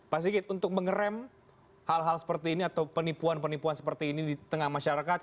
pak sigit untuk mengerem hal hal seperti ini atau penipuan penipuan seperti ini di tengah masyarakat